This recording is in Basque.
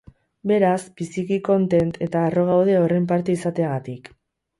Beraz biziki kontent eta harro gaude horren parte izateagatik.